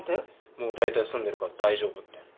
もうだいたい済んでるから大丈夫って。